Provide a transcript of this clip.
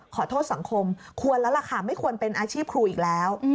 ขอโทษสังคมควรแล้วล่ะค่ะไม่ควรเป็นอาชีพครูอีกแล้ว